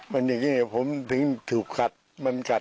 มันอย่างนี้ผมถึงถูกกัดมันกัด